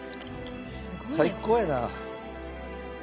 最高やな。